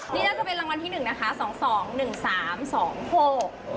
นี่น่าจะเป็นรางวัลที่หนึ่งนะคะสองสองหนึ่งสามสองหก